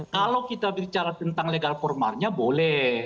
kalau kita bicara tentang legal formalnya boleh